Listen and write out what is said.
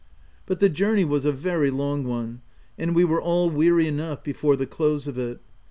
118 THE TENANT But the journey was a very long one, and we were all weary enough before the close of it.